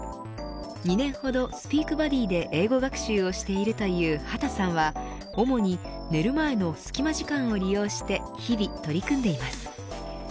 ２年ほど、スピークバディで英語学習をしているという畑さんは主に寝る前の隙間時間を利用して日々取り組んでいます。